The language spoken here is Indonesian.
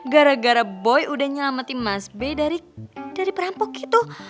gara gara boy udah nyelamatin mas b dari perampok itu